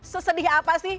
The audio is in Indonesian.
sesedih apa sih